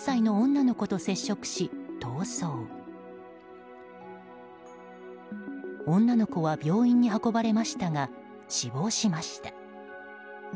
女の子は病院に運ばれましたが死亡しました。